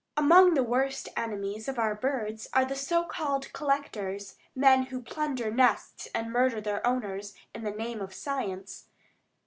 Among the worst enemies of our birds are the so called "collectors," men who plunder nests and murder their owners in the name of science.